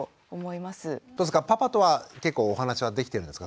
どうですかパパとは結構お話はできてるんですか？